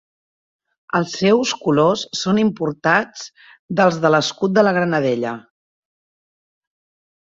Els seus colors són importats dels de l'escut de la Granadella.